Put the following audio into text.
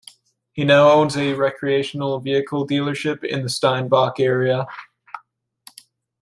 He now owns a recreational vehicle dealership in the Steinbach area.